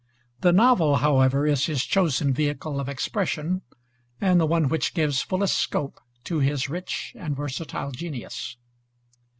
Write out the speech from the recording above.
The novel, however, is his chosen vehicle of expression, and the one which gives fullest scope to his rich and versatile genius.